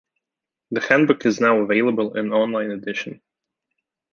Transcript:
The Handbook is now available in an online edition.